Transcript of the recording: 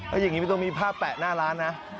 อย่างนี้ไม่ต้องมีภาพแปะหน้าร้านนะ